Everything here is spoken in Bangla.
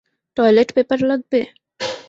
টয়লেট পেপার লাগবে?